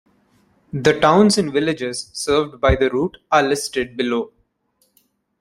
The towns and villages served by the route are listed below.